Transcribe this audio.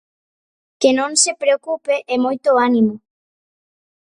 Que non se preocupe e moito ánimo.